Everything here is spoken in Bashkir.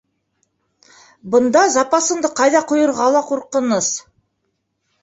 Бында запасыңды ҡайҙа ҡуйырға ла ҡурҡыныс...